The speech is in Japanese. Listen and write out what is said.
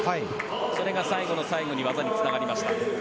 それが最後の最後に技につながりました。